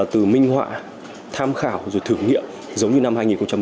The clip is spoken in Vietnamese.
từ minh họa tham khảo rồi thử nghiệm giống như năm hai nghìn một mươi tám